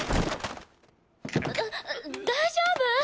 大丈夫！？